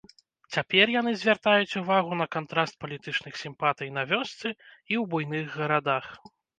Цяпер яны звяртаюць увагу на кантраст палітычных сімпатый на вёсцы і ў буйных гарадах.